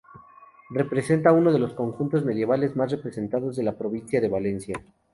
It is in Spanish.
Representa uno de los conjuntos medievales más representativos de la provincia de Valencia.